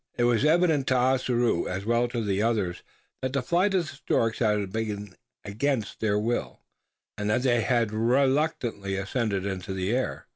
It was evident to Ossaroo as well as to the others that the flight of the storks had been against their will; and that they had reluctantly ascended into the air.